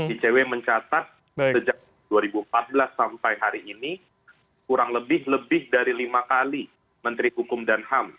icw mencatat sejak dua ribu empat belas sampai hari ini kurang lebih lebih dari lima kali menteri hukum dan ham